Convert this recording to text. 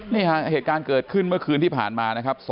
นี่ฮะเหตุการณ์เกิดขึ้นเมื่อคืนที่ผ่านมานะครับ